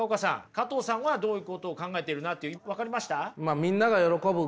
加藤さんはどういうことを考えているなって分かりました？